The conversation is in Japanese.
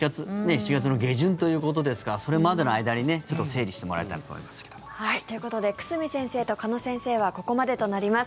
７月の下旬ということですからそれまでの間にちょっと整理してもらいたいなと思いますけれども。ということで、久住先生と鹿野先生はここまでとなります。